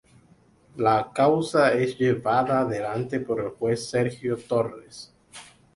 La causa es llevada adelante por el juez Sergio Torres.